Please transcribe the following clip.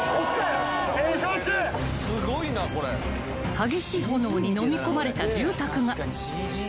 ［激しい炎にのみ込まれた住宅が］